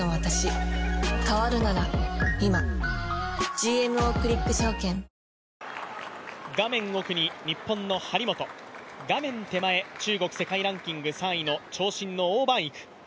新しい「本麒麟」画面奥に日本の張本、画面手前、中国世界ランキング３位の長身の王曼イク。